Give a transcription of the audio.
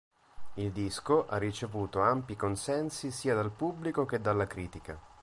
Il disco ha ricevuto ampi consensi sia dal pubblico che dalla critica.